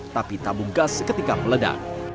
tapi tabung gas seketika meledak